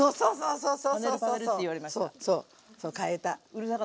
そうよそう。